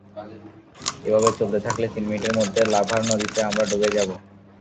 এভাবে চলতে থাকলে তিন মিনিটের মধ্যে লাভার নদীতে আমরা ডুবে যাব!